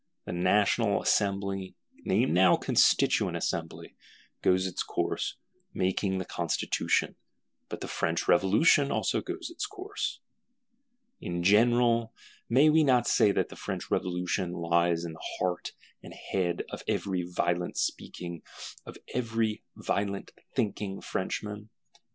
The National Assembly, named now Constituent Assembly, goes its course; making the Constitution; but the French Revolution also goes its course. In general, may we not say that the French Revolution lies in the heart and head of every violent speaking, of every violent thinking French Man?